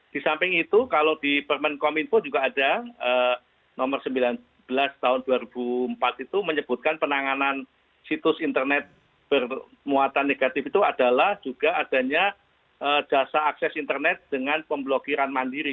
di samping itu kalau di permen kominfo juga ada nomor sembilan belas tahun dua ribu empat itu menyebutkan penanganan situs internet bermuatan negatif itu adalah juga adanya jasa akses internet dengan pemblokiran mandiri